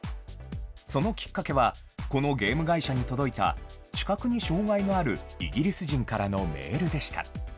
そのきっかけは、このゲーム会社に届いた、視覚に障害のあるイギリス人からのメールでした。